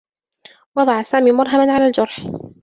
وضع سامي مرهما على الجرح.